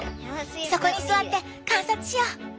そこに座って観察しよう！